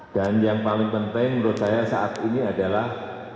dan yang paling penting menurut saya saat ini adalah